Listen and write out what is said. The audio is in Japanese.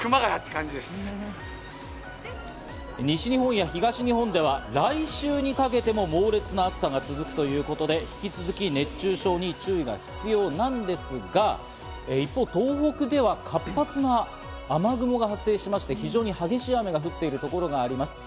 西日本や東日本では来週にかけても猛烈な暑さが続くということで、引き続き熱中症に注意が必要なんですが、一方、東北では活発な雨雲が発生していまして非常に激しい雨が降っているところがあります。